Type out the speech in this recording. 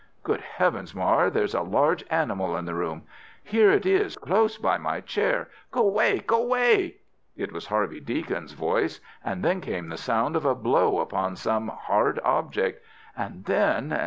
"Good heavens, Moir, there's a large animal in the room. Here it is, close by my chair! Go away! Go away!" It was Harvey Deacon's voice, and then came the sound of a blow upon some hard object. And then